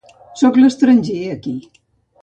Soc l'estranger aquí.